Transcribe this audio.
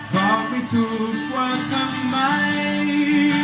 บอกไม่ถูกว่าทำไม